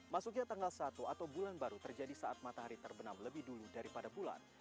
masuknya tanggal satu atau bulan baru terjadi saat matahari terbenam lebih dulu daripada bulan